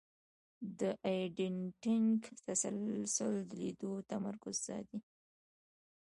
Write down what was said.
د ایډیټینګ تسلسل د لیدونکي تمرکز ساتي.